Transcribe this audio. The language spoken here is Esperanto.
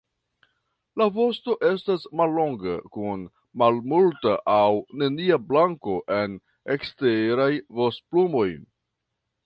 La vosto estas mallonga kun malmulta aŭ nenia blanko en eksteraj vostoplumoj.